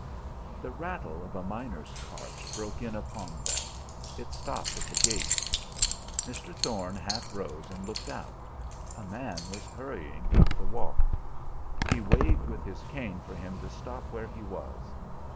The rattle of a miner's cart broke in upon them; it stopped at the gate. Mr. Thorne half rose and looked out; a man was hurrying up the walk. He waved with his cane for him to stop where he was.